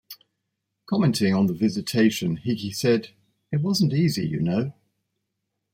Commenting on the visitation, Hickey said, It wasn't easy, you know.